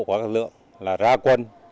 của các lực lượng là ra quân